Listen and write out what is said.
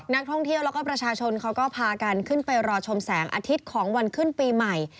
นักท่องเที่ยวแล้วก็ประชาชนเขาก็พากันขึ้นไปรอชมแสงอาทิตย์ของวันขึ้นปีใหม่